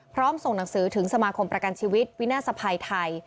ส่งหนังสือถึงสมาคมประกันชีวิตวินาศภัยไทย